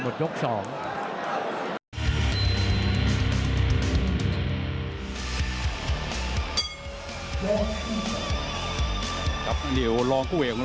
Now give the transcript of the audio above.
มันต้องอย่างงี้มันต้องอย่างงี้